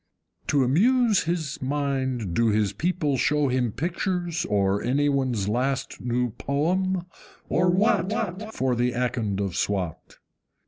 To amuse his mind do his people show him Pictures, or any one's last new poem, or WHAT, For the Akond of Swat?